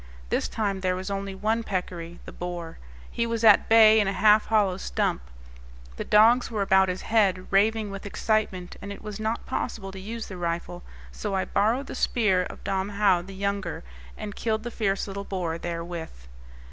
This time there was only one peccary, the boar. He was at bay in a half hollow stump. The dogs were about his head, raving with excitement, and it was not possible to use the rifle; so I borrowed the spear of Dom Joao the younger, and killed the fierce little boar therewith.